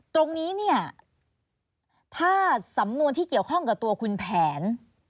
ตรงนี้เนี่ยถ้าสำนวนที่เกี่ยวข้องกับตัวคุณแผน